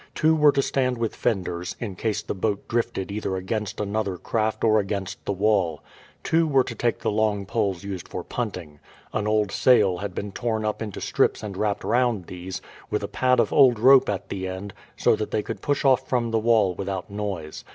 Two were to stand with fenders, in case the boat drifted either against another craft or against the wall. Two were to take the long poles used for punting. An old sail had been torn up into strips and wrapped round these, with a pad of old rope at the end, so that they could push off from the wall without noise.